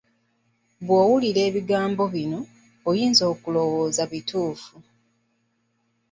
Bw'owulira ebigambo bino, oyinza okulowooza nti bituufu.